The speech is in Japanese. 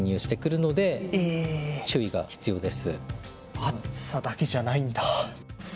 暑さだけじゃないんだ。